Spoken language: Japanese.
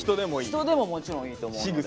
人でももちろんいいと思うので。